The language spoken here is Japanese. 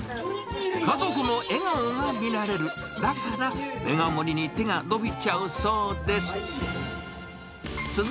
家族の笑顔が見られる、だからメガ盛りに手が伸びちゃうそうです。